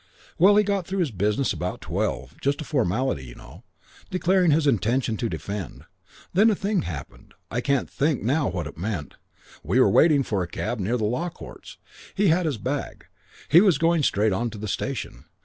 "Well, he got through his business about twelve just a formality, you know, declaring his intention to defend. Then a thing happened. Can't think now what it meant. We were waiting for a cab near the Law Courts. I had his bag. He was going straight on to the station.